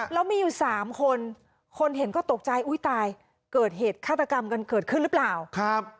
แล้วมีอยู่สามคนคนเห็นก็ตกใจอุ้ยตายเกิดเหตุฆาตกรรมกันเกิดขึ้นหรือเปล่าครับ